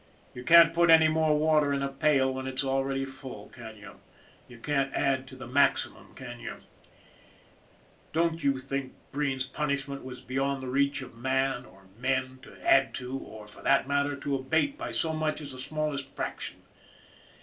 You can't put any more water in a pail when it's already full, can you? You can't add to the maximum, can you ? Don't you think Breen's punishment was beyond the reach of man or men to add to, or, for that matter, to abate by so much as the smallest fraction?